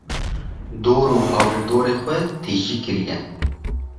dor û hawirdorê xwe tijî kiriye.